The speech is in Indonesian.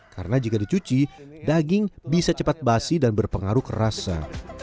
karena jika dicuci daging bisa cepat basi dan berpengaruh kerasa